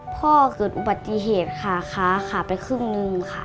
เกิดอุบัติเหตุขาขาขาไปครึ่งหนึ่งค่ะ